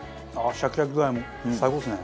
シャキシャキ具合も最高ですね。